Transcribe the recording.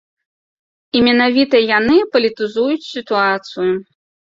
І менавіта яны палітызуюць сітуацыю.